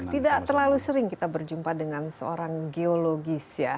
tidak terlalu sering kita berjumpa dengan seorang geologis ya